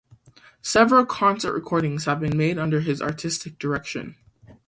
Several concert recordings have been made under his artistic direction.